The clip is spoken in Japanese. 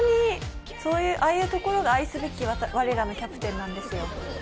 ああいうところが愛すべき我らのキャプテンなんですよ。